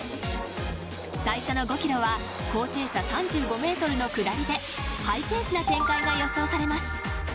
最初の５キロは高低差３５メートルの下りでハイペースな展開が予想されます。